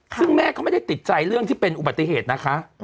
ซึ่งแม่เขาไม่ได้ติดใจเรื่องที่เป็นอุบัติเหตุนะคะ